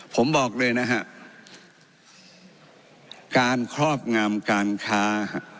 ผมบอกเลยนะฮะการครอบงำการค้า